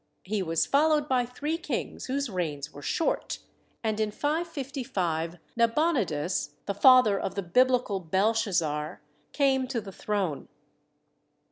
He was followed by three kings whose reigns were short, and in 555 Nabonidus, the father of the Biblical Belshazzar, came to the throne.